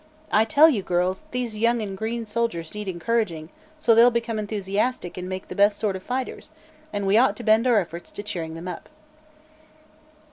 I tell you, girls, these young and green soldiers need encouraging, so they'll become enthusiastic and make the best sort of fighters, and we ought to bend our efforts to cheering them up."